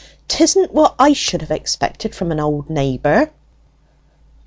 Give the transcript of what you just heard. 'Tisn't what I should have expected from an old neighbour!"